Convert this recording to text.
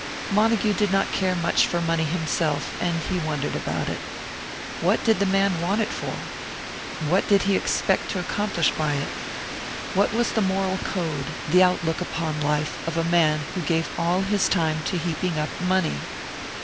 Montague did not care much for money himself, and he wondered about it. What did the man want it for? What did he expect to accomplish by it? What was the moral code, the outlook upon life, of a man who gave all his time to heaping up money?